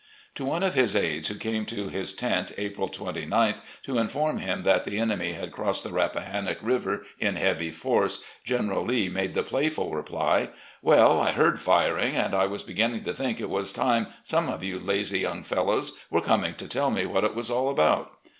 " To one of his aides, who came to his tent, April 29th, to inform him that the enemy had crossed the Rappa hannock River in heavy force. General Lee made the playful reply: " Well, I heard firing, and I was beginning to think it was time some of you lazy yo\mg fellows were commg to tell THE ARMY OP NORTHERN VIRGINIA 95 me what it was aU about.